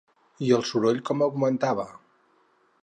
I el soroll com augmentava?